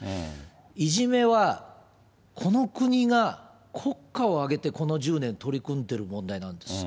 いじめは、この国が国家を挙げてこの１０年取り組んでいる問題なんです。